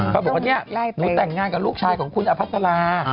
เขาบอกว่าเนี่ยหนูแต่งงานกับลูกชายของคุณอภัสรา